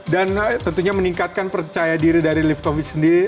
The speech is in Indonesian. dan tentunya meningkatkan percaya diri dari livkovic sendiri